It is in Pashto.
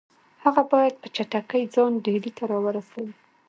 هغه باید په چټکۍ ځان ډهلي ته را ورسوي.